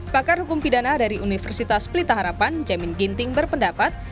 pakar hukum pidana dari universitas pelita harapan jamin ginting berpendapat